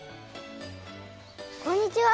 こんにちは。